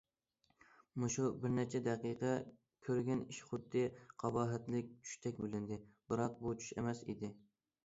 مۇشۇ بىرنەچچە دەقىقىدە كۆرگەن ئىش خۇددى قاباھەتلىك چۈشتەك بىلىندى، بىراق بۇ چۈش ئەمەس ئىدى.